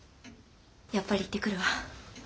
やっぱり行ってくるわ。